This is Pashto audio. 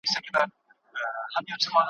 کله کله به وو دومره قهرېدلی ,